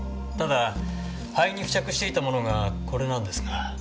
ただ灰に付着していたものがこれなんですが。